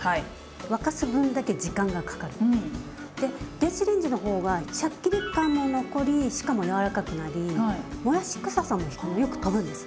電子レンジの方はシャッキリ感も残りしかも軟らかくなりもやしくささもよくとぶんです。